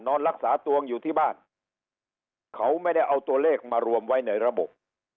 นอนรักษาตัวอยู่ที่บ้านเขาไม่ได้เอาตัวเลขมารวมไว้ในระบบ